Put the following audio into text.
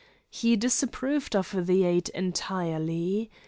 He disapproved of the aide entirely.